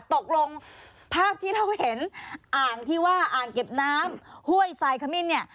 ตกลงภาพที่เราเห็นอ่างที่ว่าอ่างเก็บน้ำห้วยสายขมิ้นเนี่ย